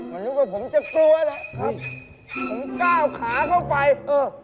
ก็นึกว่าผมจะกลัวแหละครับผมก้าวขาเข้าไปเออ